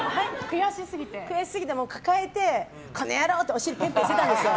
悔しすぎて、抱えてこの野郎！ってお尻ペンペンしてたんですよ。